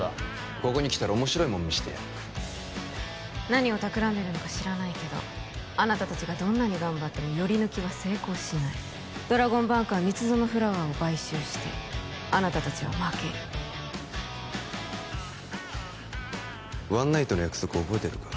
ここに来たら面白いもん見してやる何をたくらんでるのか知らないけどあなた達がどんなに頑張ってもヨリヌキは成功しないドラゴンバンクは蜜園フラワーを買収してあなた達は負けるワンナイトの約束覚えてるか？